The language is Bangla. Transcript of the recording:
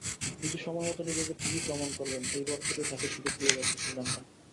কিন্তু সময়মতো নিজেকে ঠিকই প্রমাণ করবেন—এই ভরসাতেই তাঁকে সুযোগ দিয়ে যাচ্ছে শ্রীলঙ্কা।